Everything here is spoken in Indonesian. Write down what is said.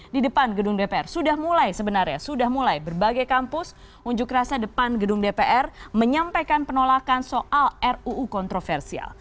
di depan gedung dpr sudah mulai sebenarnya sudah mulai berbagai kampus unjuk rasa depan gedung dpr menyampaikan penolakan soal ruu kontroversial